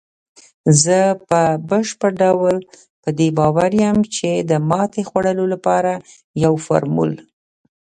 زه په بشپړ ډول په دې باور یم، چې د ماتې خوړلو لپاره یو فارمول